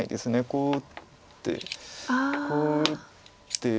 こう打ってこう打って。